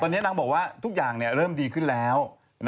ตอนนี้นางบอกว่าทุกอย่างเริ่มดีขึ้นแล้ว